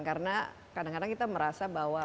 karena kadang kadang kita merasa bahwa